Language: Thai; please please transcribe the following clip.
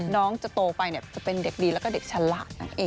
น้องจะโตไปจะเป็นเด็กดีแล้วก็เด็กฉลาดนั่นเอง